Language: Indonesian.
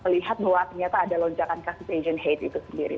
melihat bahwa ternyata ada lonjakan kasus asian hate itu sendiri